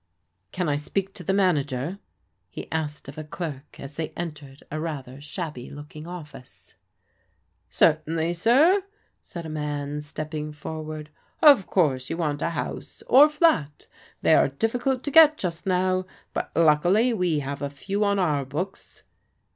"Can I speak to the manager?" he asked of a clerk as they entered a rather shabby looking office. " Certainly, sir/* said a man stepping forward. " Of course you want a house, or flat. They are difficult to get just now, but luckily we have a few on our books."